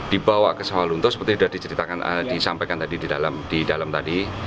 dibawa ke sawalunto seperti sudah disampaikan tadi di dalam tadi